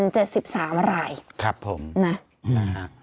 ครับผมนะครับนะครับ